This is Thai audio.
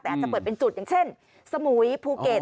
แต่อาจจะเปิดเป็นจุดอย่างเช่นสมุยภูเก็ต